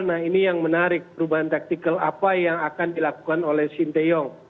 nah ini yang menarik perubahan taktikal apa yang akan dilakukan oleh sinteyong